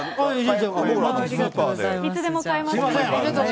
いつでも買えます。